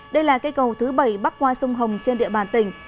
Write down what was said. đây là cây cầu thứ bảy bắc qua sông hồng trên địa bàn tỉnh